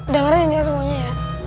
dengerin ya semuanya ya